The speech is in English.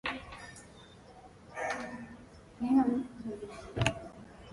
Vilmius' men storm the castello, allowing Vilmio access to the N-Space fracture.